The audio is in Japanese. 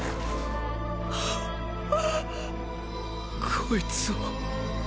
こいつを。